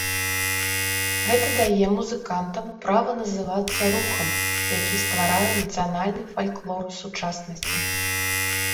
Гэта дае музыкантам права называцца рухам, які стварае нацыянальны фальклор сучаснасці.